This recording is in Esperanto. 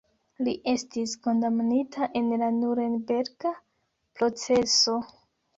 Li estis kondamnita en la Nurenberga proceso.